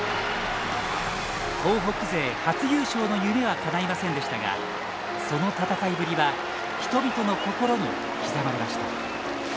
東北勢初優勝の夢はかないませんでしたがその戦いぶりは人々の心に刻まれました。